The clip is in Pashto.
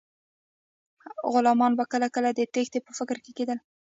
غلامان به کله کله د تیښتې په فکر کې کیدل.